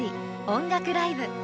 音楽ライブ」